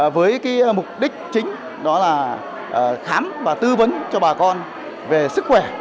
với mục đích chính đó là khám và tư vấn cho bà con về sức khỏe